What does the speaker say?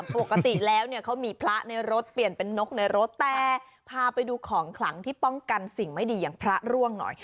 ปกติแล้วเนี่ยเขามีพระในรถเปลี่ยนเป็นนกในรถแต่พาไปดูของขลังที่ป้องกันสิ่งไม่ดีอย่างพระร่วงหน่อย